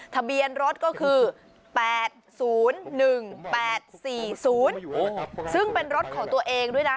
ทะเบียนรถก็คือแปดศูนย์หนึ่งแปดสี่ศูนย์โอ้ซึ่งเป็นรถของตัวเองด้วยนะ